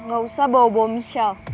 gak usah bawa bawa michelle